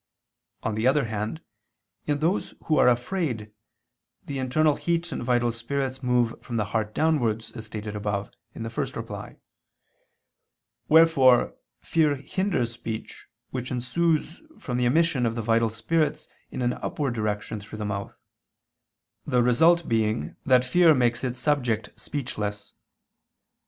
On the other hand, in those who are afraid, the internal heat and vital spirits move from the heart downwards, as stated above (ad 1): wherefore fear hinders speech which ensues from the emission of the vital spirits in an upward direction through the mouth: the result being that fear makes its subject speechless.